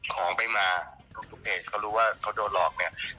ของไปมาทุกเพจเขารู้ว่าเขาโดนหลอกเนี่ย